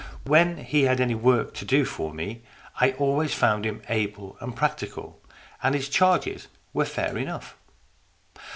When he had any work to do for me, I always found him able and practical, and his charges were fair enough.